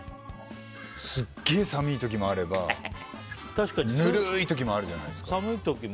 すっげえ寒い時もあればぬるい時もあるじゃないですか。